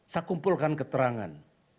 saya kumpulkan keterangan